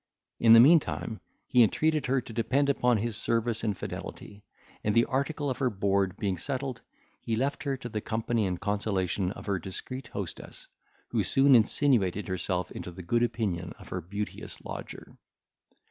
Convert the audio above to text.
In the meantime, he entreated her to depend upon his service and fidelity, and the article of her board being settled, he left her to the company and consolation of her discreet hostess, who soon insinuated herself into the good opinion of her beauteous lodger.